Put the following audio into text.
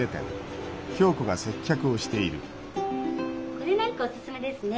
これなんかおすすめですね。